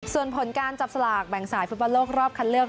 ส่วนผลการจับสลากแบ่งสายฟุตบอลโลกรอบคัดเลือก